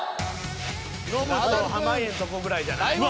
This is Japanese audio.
ノブと濱家のとこぐらいじゃない？